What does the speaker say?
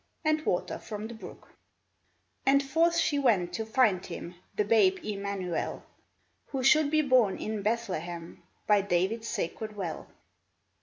And water from the brook ; And forth she went to find Him — The babe Emmanuel, Who should be born in Bethlehem By David's sacred well.